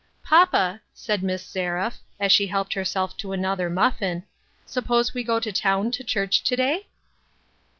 " Papa," said Miss Seraph, as she helped her self to another muffin, " suppose we go to town to church to day